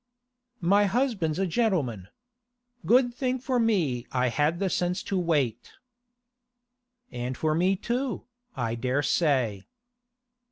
'My husband's a gentleman. Good thing for me I had the sense to wait.' 'And for me too, I dare say.